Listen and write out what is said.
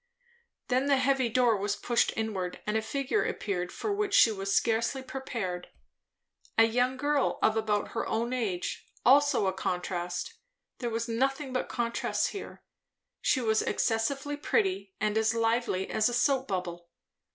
Then the heavy door was pushed inward and a figure appeared for which she was scarcely prepared. A young girl of about her own age, also a contrast. There was nothing but contrasts here. She was excessively pretty, and as lively as a soap bubble.